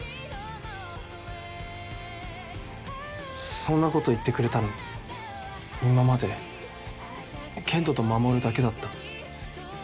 そんなこと言ってくれたの今まで健人と守だけだった。